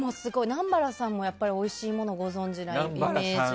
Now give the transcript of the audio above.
南原さんもやっぱりおいしいものをご存じなイメージ。